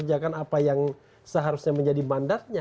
mengerjakan apa yang seharusnya menjadi mandatnya